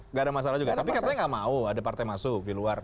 nggak ada masalah juga tapi katanya nggak mau ada partai masuk di luar